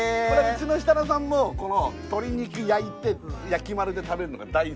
うちの設楽さんもこの鶏肉焼いてやきまるで食べるのが大好きで。